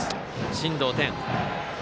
進藤天。